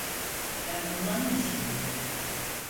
Ben onun annesiyim.